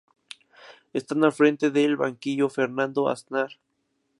Estando al frente del banquillo Fernando Aznar.